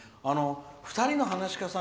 ２人の噺家さん